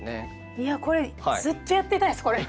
いやこれずっとやってたいですこれ！